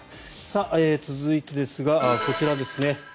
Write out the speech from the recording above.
続いてですが、こちらです。